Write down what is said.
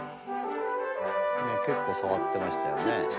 ねっ結構触ってましたよね。